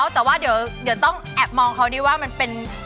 แต่ว่าเดี๋ยวต้องแอบมองเขาดีว่ามันเป็น